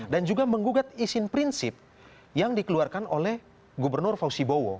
dan juga menggugat isin prinsip yang dikeluarkan oleh gubernur fauzi bowo